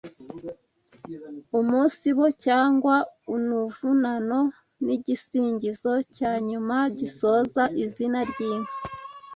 Umusibo cyangwa unuvunano Ni igisingizo cya nyuma gisoza izina ry’inka